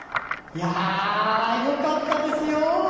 いやよかったですよ！